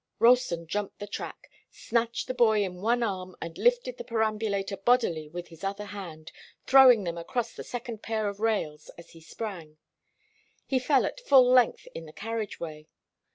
Ralston jumped the track, snatched the boy in one arm and lifted the perambulator bodily with his other hand, throwing them across the second pair of rails as he sprang. He fell at full length in the carriage way.